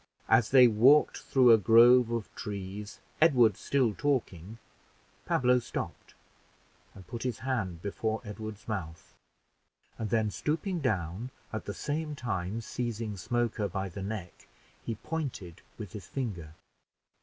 As they walked through a grove of trees, Edward still talking, Pablo stopped and put his hand before Edward's mouth, and then stooping down, at the same time seizing Smoker by the neck, he pointed with his finger.